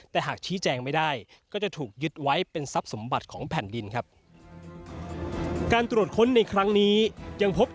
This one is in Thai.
แต่หากชี้แจงไม่ได้ก็จะถูกยึดไว้เป็นทรัพย์สมบัติของแผ่นดินครับ